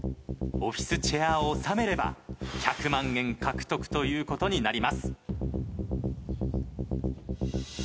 オフィスチェアを収めれば１００万円獲得という事になります。